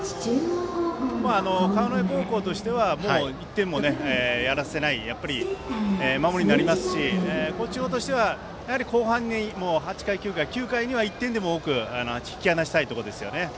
川之江高校としてはもう１点もやらせない守りになりますし高知中央としては後半に９回には１点でも多く引き離したいところですね。